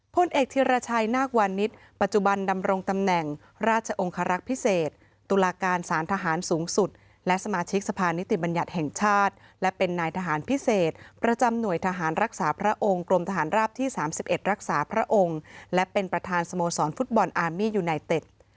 พลเอกธิรชัยนาควานิสปัจจุบันดำรงตำแหน่งราชองคารักษ์พิเศษตุลาการสารทหารสูงสุดและสมาชิกสภานิติบัญญัติแห่งชาติและเป็นนายทหารพิเศษประจำหน่วยทหารรักษาพระองค์กรมทหารราบที่๓๑รักษาพระองค์และเป็นประธานสโมสรฟุตบอลอาร์มียูไนเต็ด